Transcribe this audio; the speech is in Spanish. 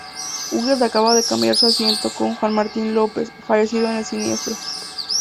Huguet acababa de cambiar su asiento con Juan Martín López, fallecido en el siniestro.